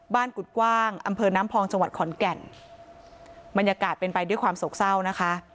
กุฎกว้างอำเภอน้ำพองจังหวัดขอนแก่นบรรยากาศเป็นไปด้วยความโศกเศร้านะคะ